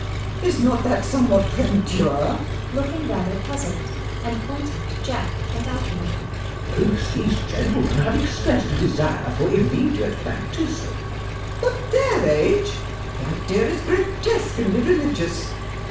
Is not that somewhat premature? CHASUBLE. [Looking rather puzzled, and pointing to Jack and Algernon.] Both these gentlemen have expressed a desire for immediate baptism. LADY BRACKNELL. At their age? The idea is grotesque and irreligious!